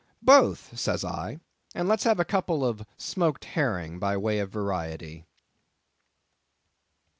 "Both," says I; "and let's have a couple of smoked herring by way of variety."